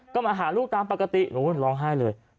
ก็มาหาลูกตามปกติหนูร้องไห้เลย